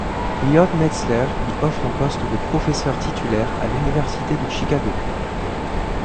Lloyd Metzler lui offre un poste de professeur titulaire à l'Université de Chicago.